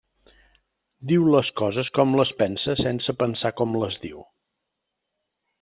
Diu les coses com les pensa sense pensar com les diu.